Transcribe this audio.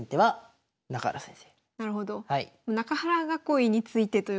はい。